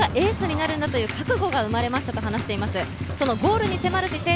自分がエースになるという覚悟が生まれたと話しています。